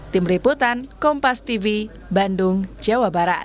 tim liputan kompas tv bandung jawa barat